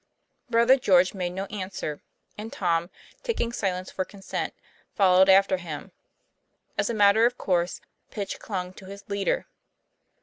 Brother George made no answer, and Tom, taking silence for consent, followed after him. As a matter of course, Pitch clung to his leader.